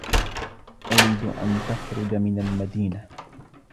أريد أن تخرج من المدينة.